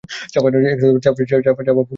চাঁপা ফুলের মতো গায়ের রঙ।